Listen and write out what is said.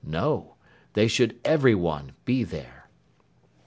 No! They should every one be there!